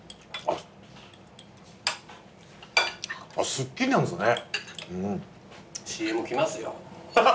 すっきりなんですね。